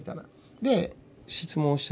で質問したら